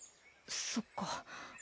そっか。